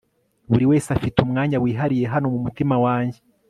buriwese afite umwanya wihariye hano mumutima wanjye